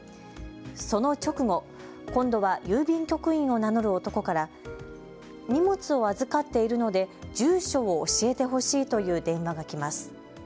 その直後、今度は郵便局員を名乗る男から荷物を預かっているので住所を教えてほしいという電話が来ます。